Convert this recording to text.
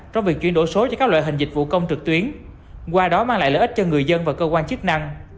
trong việc chuyển đổi số cho các loại hình dịch vụ công trực tuyến qua đó mang lại lợi ích cho người dân và cơ quan chức năng